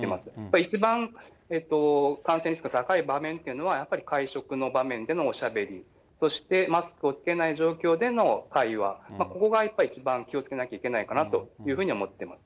一番感染リスクが高い場面っていうのは、やっぱり、会食の場面でのおしゃべり、そしてマスクを着けない状況での会話、ここがやっぱり、一番気をつけなきゃいけないかなというふうに思っています。